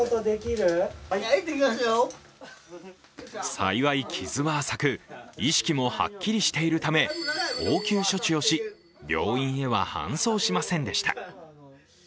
幸い傷は浅く、意識もはっきりしているため応急処置をし、病院へは搬送しませんでした。